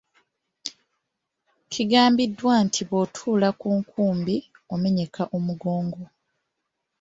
Kigambibwa nti bw'otuula ku nkumbi, omenyeka omugongo.